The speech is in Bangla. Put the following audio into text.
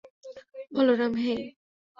বলরাম, হেই?